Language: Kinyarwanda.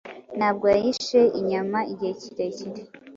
Ntabwo yahishe inyama igihe kirekire